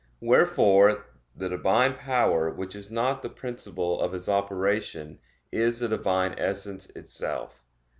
Wherefore the Divine power which is the principle of His operation is the Divine Essence itself.